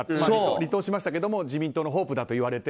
離党しましたが自民党のホープだと言われて。